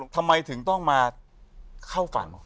ทำไมถึงต้องมาเข้าฝัน